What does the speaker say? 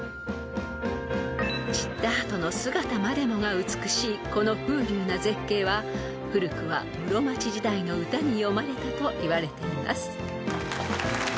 ［散った後の姿までもが美しいこの風流な絶景は古くは室町時代の歌に詠まれたといわれています］